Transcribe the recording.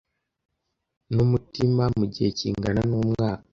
n'umutima mu gihe kingana n'umwaka